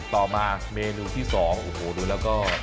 ต่อมาเมนูที่สองดูแล้วก็